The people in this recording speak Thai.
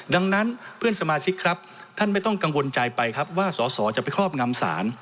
ดังนั้นเพื่อนสมาชิกครับท่านไม่ต้องกังวลใจไปครับว่าสอสอจะไปครอบงำศาล